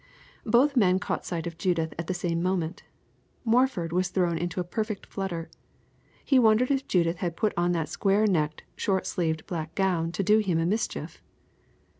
Both men caught sight of Judith at the same moment. Morford was thrown into a perfect flutter. He wondered if Judith had put on that square necked, short sleeved black gown to do him a mischief.